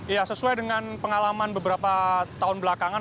ya sesuai dengan pengalaman beberapa tahun belakangan